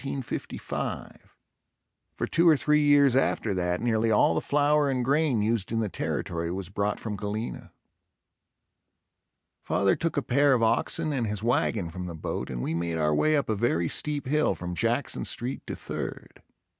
For two or three years after that nearly all the flour and grain used in the territory was brought from Galena. Father took a pair of oxen and his wagon from the boat and we made our way up a very steep hill from Jackson Street to Third.